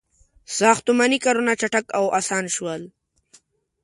• ساختماني کارونه چټک او آسان شول.